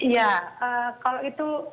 ya kalau itu